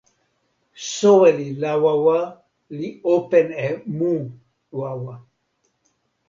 soweli Lawawa li open e mu wawa.